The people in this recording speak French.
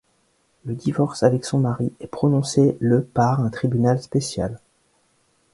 Le divorce avec son mari est prononcé le par un tribunal spécial.